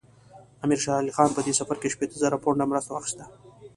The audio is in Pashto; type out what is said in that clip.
امیر شېر علي خان په دې سفر کې شپېته زره پونډه مرسته واخیسته.